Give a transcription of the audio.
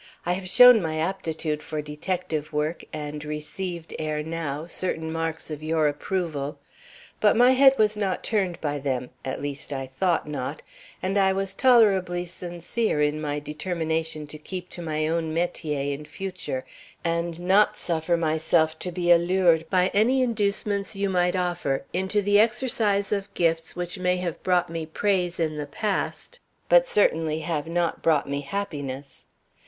I have shown my aptitude for detective work and received, ere now, certain marks of your approval; but my head was not turned by them at least I thought not and I was tolerably sincere in my determination to keep to my own metier in future and not suffer myself to be allured by any inducements you might offer into the exercise of gifts which may have brought me praise in the past, but certainly have not brought me happiness.